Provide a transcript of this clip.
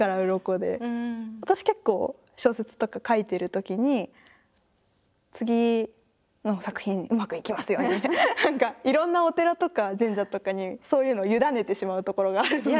私結構小説とか書いてるときに「次の作品うまくいきますように」って何かいろんなお寺とか神社とかにそういうのを委ねてしまうところがあるので。